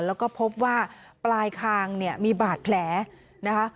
แล้วก็พบว่าปลายคางเนี่ยมีบาดแผลนะคะ